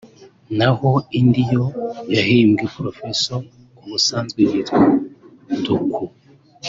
n’aho indi yo yahimbwe ‘Professor’ ubusanzwe yitwa Duco